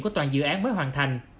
của toàn dự án mới hoàn thành